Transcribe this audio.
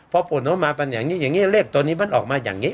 พอผลออกมาเป็นอย่างนี้อย่างนี้เลขตัวนี้มันออกมาอย่างนี้